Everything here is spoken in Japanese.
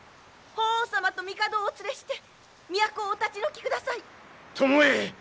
法皇様と帝をお連れして都をお立ち退きください。